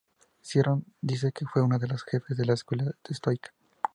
Cicerón dice que fue uno de los jefes de la escuela estoica